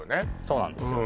そうなんですよ